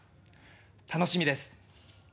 楽しみです。